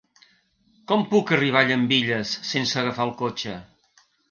Com puc arribar a Llambilles sense agafar el cotxe?